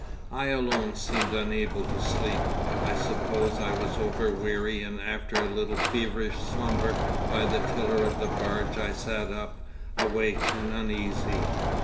'I alone seemed unable to sleep. I suppose I was over weary, and after a little feverish slumber by the tiller of the barge I sat up, awake and uneasy....